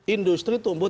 industri tumbuh tiga puluh